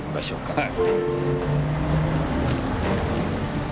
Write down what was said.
はい。